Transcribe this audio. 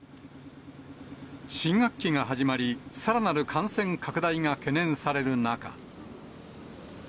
新学期が始まり、さらなる感染拡大が懸念される中。